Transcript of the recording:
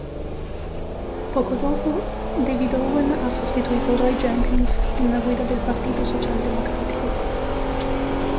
Poco dopo David Owen ha sostituito Roy Jenkins nella guida nel Partito Social Democratico.